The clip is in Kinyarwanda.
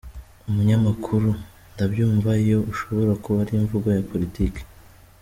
Umunyamakuru: Ndabyumva iyo ishobora kuba ari imvugo ya politiki.